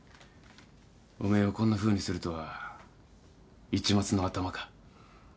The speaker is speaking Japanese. おめえをこんなふうにするとは市松のアタマか？